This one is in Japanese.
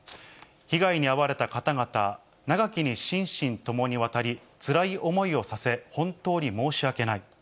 被害に遭われた方々、長きに心身ともにわたりつらい思いをさせ、本当に申し訳ない。